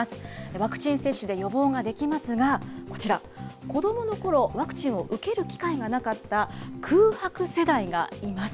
ワクチン接種で予防ができますが、こちら、子どものころ、ワクチンを受ける機会がなかった、空白世代がいます。